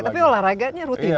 tapi olahraganya rutin kan